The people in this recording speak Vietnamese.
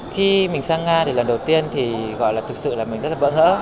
khi mình sang nga thì lần đầu tiên thì gọi là thực sự là mình rất là bỡ ngỡ